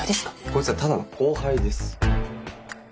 こいつはただの後輩です。